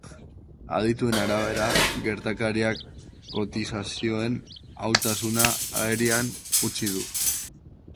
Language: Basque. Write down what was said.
Adituen arabera, gertakariak kotizazioen ahultasuna agerian utzi du.